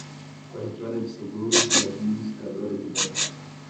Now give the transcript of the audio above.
Corretora de Seguros e Administradora de Bens